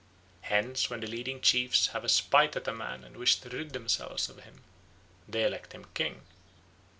Hence when the leading chiefs have a spite at a man and wish to rid themselves of him, they elect him king.